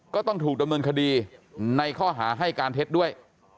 ต้องถูกดำเนินคดีในข้อหาให้การเท็จด้วย